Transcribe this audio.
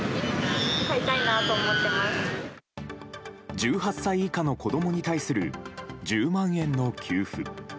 １８歳以下の子供に対する１０万円の給付。